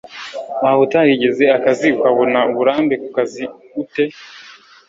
Waba utarigeze akazi, ukabona uburambe ku kazi ute